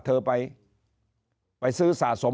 เธอไปซื้อสะสม